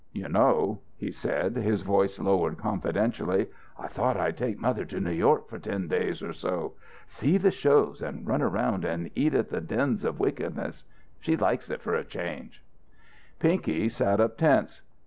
"You know," he said, his voice lowered confidentially, "I thought I'd take mother to New York for ten days or so. See the shows, and run around and eat at the dens of wickedness. She likes it for a change." Pinky sat up, tense.